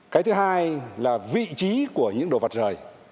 cái thứ hai là vị trí của những đồ vật rời